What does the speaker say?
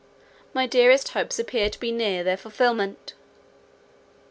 My dearest hopes appear to be near their fulfilment.